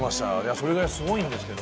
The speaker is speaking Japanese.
それぐらいすごいんですけど。